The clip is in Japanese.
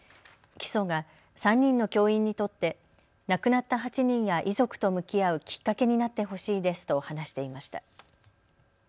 起訴が３人の教員にとって亡くなった８人や遺族と向き合うきっかけになってほしいですと話していました。